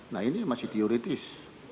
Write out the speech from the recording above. nah ini masih teoritis